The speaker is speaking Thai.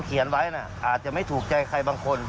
เขาเสีย